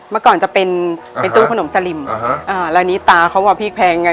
เมื่อก่อนจะเป็นเป็นตู้ขนมสลิมแล้วอันนี้ตาเขาอ่ะพริกแพงไง